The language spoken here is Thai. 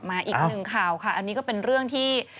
อีกหนึ่งข่าวค่ะอันนี้ก็เป็นเรื่องที่